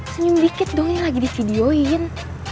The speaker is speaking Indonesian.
senyum dikit dong yang lagi di videoin